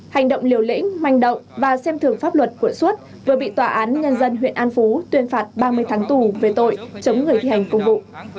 hành động liều lĩnh manh động và xem thường pháp luật của xuất vừa bị tòa án nhân dân huyện an phú tuyên phạt ba mươi tháng tù về tội chống người thi hành công vụ